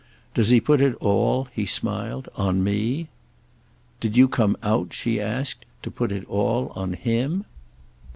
Does he put it all," he smiled, "on me?" "Did you come out," she asked, "to put it all on _him?